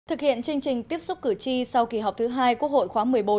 thực hiện chương trình tiếp xúc cử tri sau kỳ họp thứ hai quốc hội khóa một mươi bốn